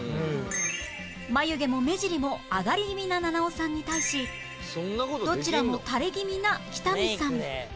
眉毛も目尻も上がり気味な菜々緒さんに対しどちらも垂れ気味な北見さん